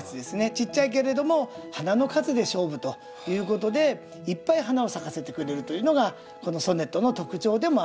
ちっちゃいけれども花の数で勝負ということでいっぱい花を咲かせてくれるというのがこのソネットの特徴でもあると。